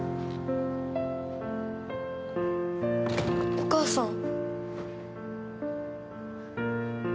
お母さん。